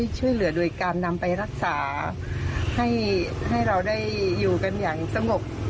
ช่วยเหลือโดยการนำไปรักษาให้เราได้อยู่กันอย่างสงบ